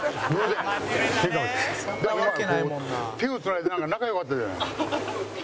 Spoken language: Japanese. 手をつないでなんか仲良かったじゃない。